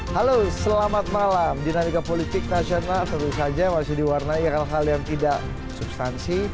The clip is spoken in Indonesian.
halo selamat malam dinamika politik nasional tentu saja masih diwarnai hal hal yang tidak substansi